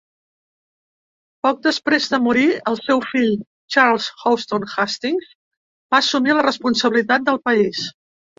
Poc després de morir, el seu fill, Charles Houston Hastings, va assumir la responsabilitat del país.